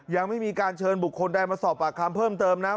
ยังไม่มีการเชิญบุคคลใดมาสอบปากคำเพิ่มเติมนะ